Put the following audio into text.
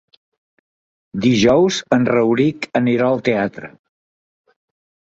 Dijous en Rauric anirà al teatre.